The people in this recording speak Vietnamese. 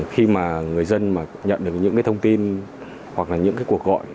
khi mà người dân nhận được những thông tin hoặc là những cuộc gọi